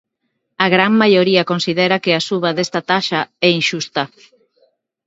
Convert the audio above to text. A gran maioría considera que a suba desta taxa é inxusta.